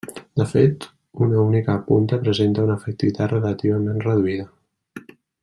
De fet, una única punta presenta una efectivitat relativament reduïda.